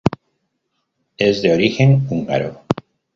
Es de origen húngaro.